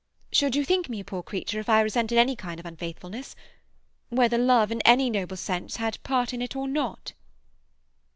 "Should you think me a poor creature if I resented any kind of unfaithfulness?—whether love, in any noble sense, had part in it or not?"